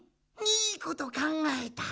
いいことかんがえた！